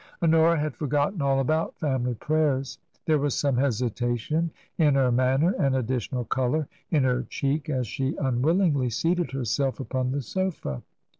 Honora had forgotten all about family prayers. There was some hesitation in her manner and additional colour in her cheek as she unwillingly seated herself upon the sofa.